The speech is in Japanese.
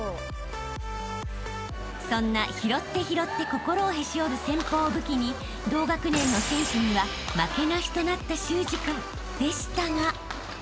［そんな拾って拾って心をへし折る戦法を武器に同学年の選手には負けなしとなった修志君でしたが］